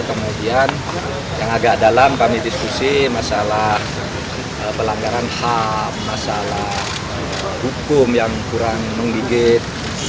kemudian yang agak dalam kami diskusi masalah pelanggaran ham masalah hukum yang kurang menggigit